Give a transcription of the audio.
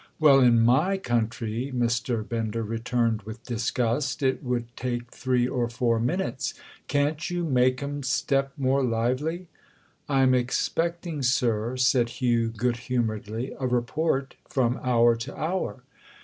"Well, in my country," Mr. Bender returned with disgust, "it would take three or four minutes! Can't you make 'em step more lively?" "I'm expecting, sir," said Hugh good humouredly, "a report from hour to hour."